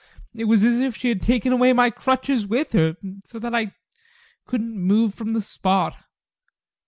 It was as if she had taken away my crutches with her, so that I couldn't move from the spot.